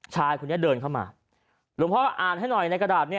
ชายคนนี้เดินเข้ามาหลวงพ่ออ่านให้หน่อยในกระดาษนี้